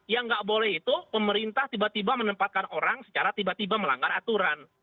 yang nggak boleh itu pemerintah tiba tiba menempatkan orang secara tiba tiba melanggar aturan